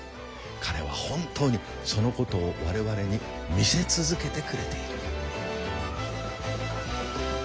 彼は本当にそのことを我々に見せ続けてくれている。